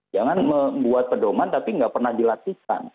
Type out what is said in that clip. jangan membuat pedoman tapi nggak pernah dilakukan